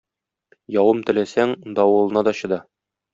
Явым теләсәң, давылына да чыда.